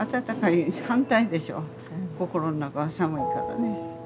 心の中は寒いからね。